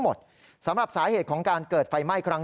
มีความรู้สึกว่าเกิดอะไรขึ้น